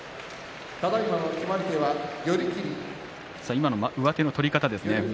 今の上手の取り方ですね。